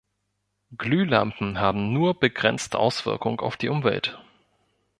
Glühlampen haben nur begrenzt Auswirkung auf die Umwelt.